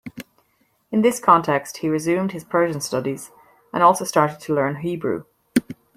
In this context he resumed his Persian studies and also started to learn Hebrew.